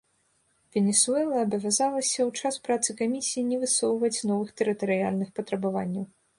Венесуэла абавязвалася ў час працы камісіі не высоўваць новых тэрытарыяльных патрабаванняў.